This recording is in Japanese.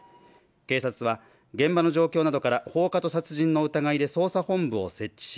警察は現場の状況などから放火と殺人の疑いで捜査本部を設置し